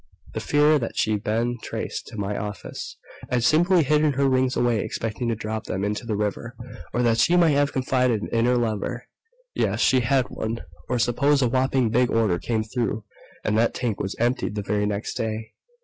The fear that she'd been traced to my office I'd simply hidden her rings away, expecting to drop them into the river or that she might have confided in her lover ... yes, she had one. Or, suppose a whopping big order came through and that tank was emptied the very next day.